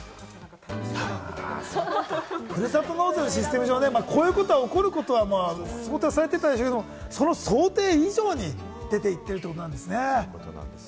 ふるさと納税、システム上ね、こういうことが起こることは想定されていたんですけれども、その想定以上に出ていっているということなんですね。